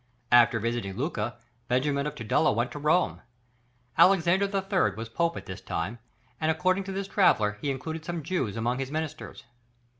After visiting Lucca, Benjamin of Tudela went to Rome. Alexander III. was Pope at that time, and according to this traveller, he included some Jews among his ministers.